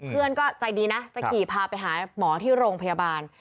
เพื่อนก็ใจดีนะจะขี่พาไปหาหมอที่โรงพยาบาล